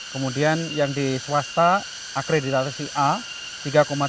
kemudian yang di swasta akreditasi a tiga tujuh puluh